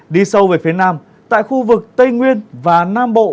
đi sâu về phía nam tại khu vực tây nguyên và nam bộ